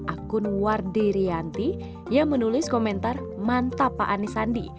akun wardi rianti yang menulis komentar mantap pak anies sandi